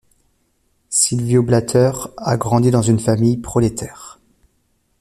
Silvio Blatter a grandi dans une famille prolétaire.